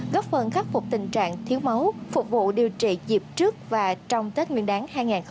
góp phần khắc phục tình trạng thiếu máu phục vụ điều trị dịp trước và trong tết nguyên đáng hai nghìn hai mươi bốn